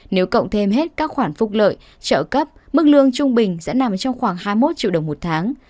nếu cộng thêm hết các khoản phúc lợi trợ cấp mức lương trung bình sẽ nằm trong khoảng hai mươi một triệu đồng một tháng